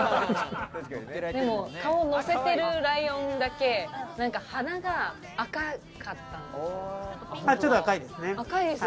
でも顔のせてるライオンだけ、鼻が赤かったんです。